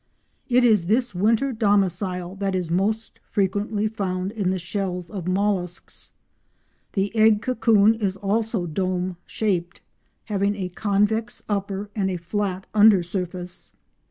It is this winter domicile that is most frequently found in the shells of molluscs. The egg cocoon is also dome shaped, having a convex upper and a flat under surface.